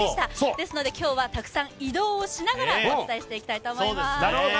ですので、今日はたくさん移動しながらお伝えしていこうと思います。